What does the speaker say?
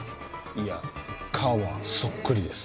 いや顔はそっくりです。